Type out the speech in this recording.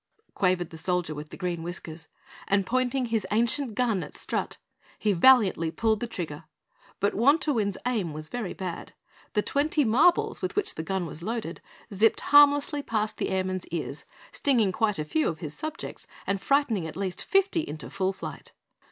quavered the Soldier with Green Whiskers. And pointing his ancient gun at Strut, he valiantly pulled the trigger. But Wantowin's aim was very bad. The twenty marbles with which the gun was loaded, zipped harmlessly past the Airman's ears, stinging quite a few of his subjects and frightening at least fifty into full flight.